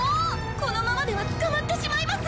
このままでは捕まってしまいます！